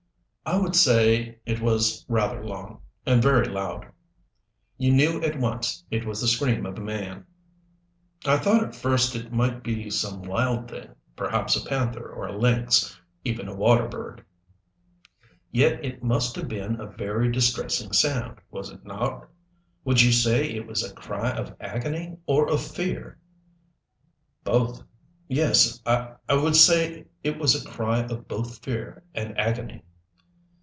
"I would say it was rather long and very loud." "You knew at once it was the scream of a man?" "I thought at first it might be some wild thing perhaps a panther or a lynx even a water bird." "Yet it must have been a very distressing sound, was it not? Would you say it was a cry of agony or of fear?" "Both. Yes I would say it was a cry of both fear and agony."